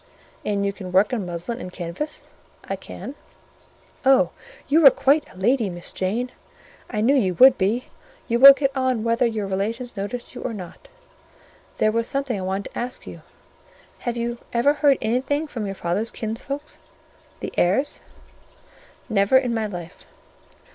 "And you can work on muslin and canvas?" "I can." "Oh, you are quite a lady, Miss Jane! I knew you would be: you will get on whether your relations notice you or not. There was something I wanted to ask you. Have you ever heard anything from your father's kinsfolk, the Eyres?" "Never in my life."